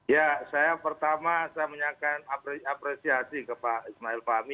ya saya pertama saya menyampaikan apresiasi ke pak ismail fahmi